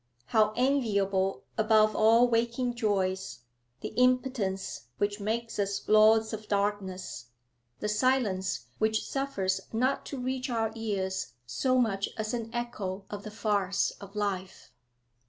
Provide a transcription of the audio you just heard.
How enviable above all waking joys the impotence which makes us lords of darkness, the silence which suffers not to reach our ears so much as an echo of the farce of life.